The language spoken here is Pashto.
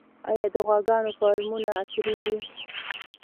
آیا د غواګانو فارمونه عصري دي؟